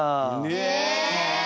え！